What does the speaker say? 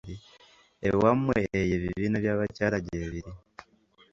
Ewammwe eyo ebibiina bya bakyala gyebiri.